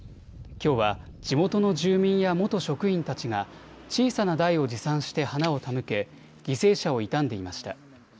きょうは地元の住民や元職員たちが小さな台を持参して花を手向け犠牲者を悼んでいました。